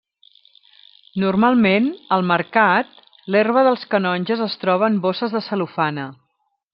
Normalment al mercat l'herba dels canonges es troba en bosses de cel·lofana.